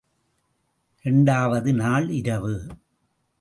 இரண்டாவது நாள் இரவு.